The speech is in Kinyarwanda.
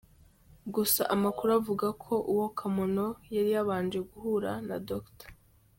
Gusa amakuru avuga ko uwo Kamono yari yabanje guhurira na Dr.